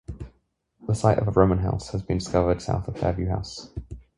The site of a Roman house has been discovered south of Fairview House.